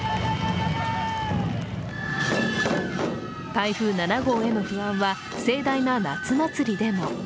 台風７号への不安は盛大な夏祭りでも。